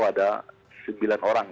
ada sembilan orang